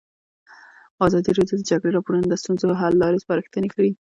ازادي راډیو د د جګړې راپورونه د ستونزو حل لارې سپارښتنې کړي.